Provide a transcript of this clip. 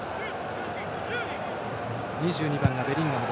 ２２番がベリンガム。